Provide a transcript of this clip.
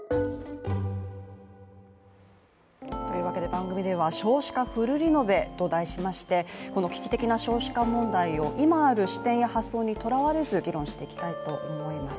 番組では「少子化フルリノベ」と題しまして危機的な少子化問題を今ある視点や発想にとらわれず議論していきたいと思います。